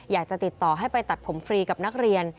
อยากจะติดต่อให้ไปตัดผมฟรีกับนักเรียน